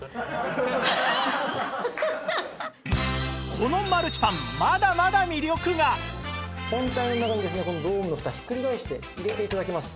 このマルチパン本体の中にですねこのドームのフタひっくり返して入れて頂きます。